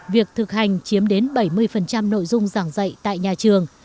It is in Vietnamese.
việc thực hành chiếm đến bảy mươi nội dung giảng dạy tại nhà trường